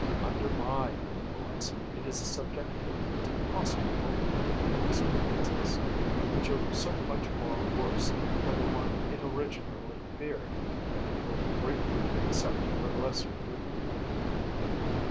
Under my influence it is subjected to possible alternative experiences, which are so much worse than the one it originally feared that it will gratefully accept the lesser evil."